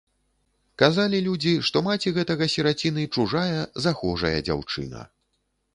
Казалі людзі, што маці гэтага сіраціны чужая, захожая дзяўчына.